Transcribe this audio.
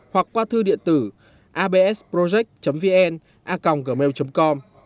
hoặc qua thư điện tử absproject vn com